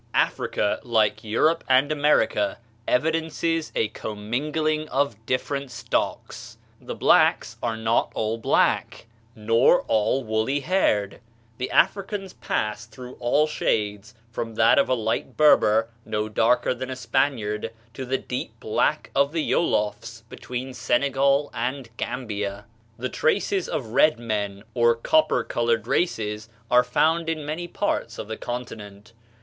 Africa, like Europe and America, evidences a commingling of different stocks: the blacks are not all black, nor all woolly haired; the Africans pass through all shades, from that of a light Berber, no darker than the Spaniard, to the deep black of the Iolofs, between Senegal and Gambia. The traces of red men or copper colored races are found in many parts of the continent.